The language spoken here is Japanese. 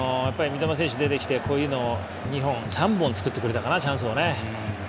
三笘選手が出てきてこういうのを２本、３本、作ってくれたかなチャンスをね。